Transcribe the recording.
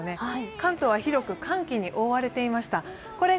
関東は広く寒気に覆われていました。